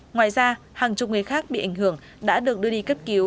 ngoài ra hàng chục người khác bị ảnh hưởng đã được đưa đi cấp cứu